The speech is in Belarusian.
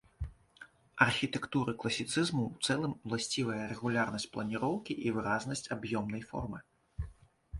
Архітэктуры класіцызму ў цэлым уласцівая рэгулярнасць планіроўкі і выразнасць аб'ёмнай формы.